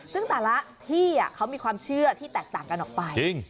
ซึ่งแต่ละที่เขามีความเชื่อที่แตกต่างกันออกไป